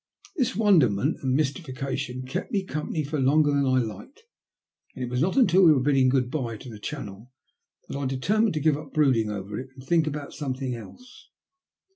This wonderment and mystification kept me company for longer than I liked, and it was not until we were bidding " good bye " to the Channel that I determined to give up brooding over it and think about something else. 120 THE LUST OF HATE.